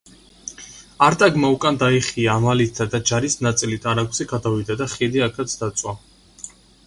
არტაგმა უკან დაიხია, ამალითა და ჯარის ნაწილით არაგვზე გადავიდა და ხიდი აქაც დაწვა.